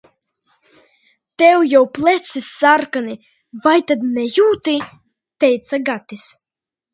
"Tev jau pleci sarkani, vai tad nejūti?" teica Gatis.